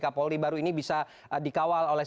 kapolri baru ini bisa dikawal oleh